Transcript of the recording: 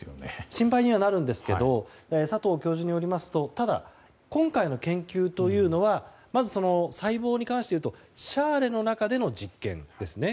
心配にはなるんですが佐藤教授によりますとただ、今回の研究はまず細胞に関していうとシャーレの中での実験ですね。